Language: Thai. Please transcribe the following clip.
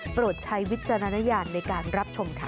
ใช้วิจารณญาณในการรับชมค่ะ